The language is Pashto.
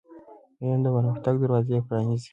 علم د پرمختګ دروازې پرانیزي.